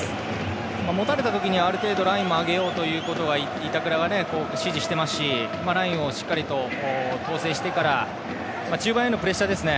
持たれたときある程度ラインを上げようと板倉は指示していますしラインをしっかりと統制してから中盤へのプレッシャーですね。